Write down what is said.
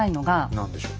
何でしょう？